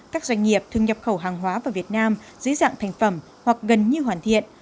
các doanh nghiệp thường nhập khẩu hàng hóa vào việt nam dưới dạng thành phẩm hoặc gần như hoàn thiện